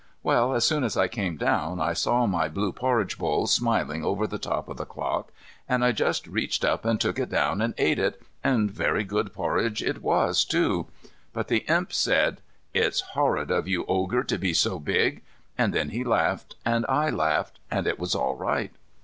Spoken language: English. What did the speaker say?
Well, as soon as I came down I saw my blue porridge bowl smiling over the top of the clock, and I just reached up and took it down and ate it, and very good porridge it was, too. But the Imp said, "It's horrid of you, Ogre, to be so big," and then he laughed, and I laughed, and it was all right.